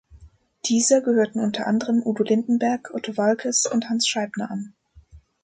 Dieser gehörten unter anderem Udo Lindenberg, Otto Waalkes und Hans Scheibner an.